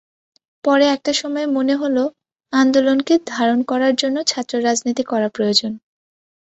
পরে একটা সময়ে মনে হলো, আন্দোলনকে ধারণ করার জন্য ছাত্ররাজনীতি করা প্রয়োজন।